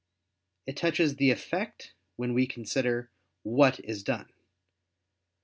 It touches the effect when we consider "what" is done.